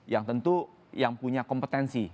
yang tentu yang punya kompetensi